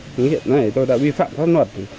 nhưng hiện nay tôi đã vi phạm pháp luật